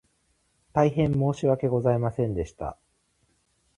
大変申し訳ございませんでした